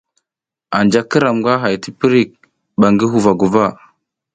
Anja iram nga bu tiprik ba ngi huva guva.